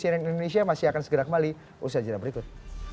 di breaking news indonesia masih akan segera kembali usaha cerita berikut